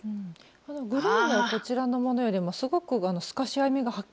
このグレーのこちらのものよりもすごく透かし編みがはっきりしてますね。